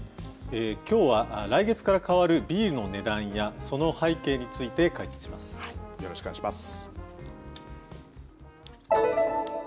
きょうは来月から変わるビールの値段や、その背景について解よろしくお願いします。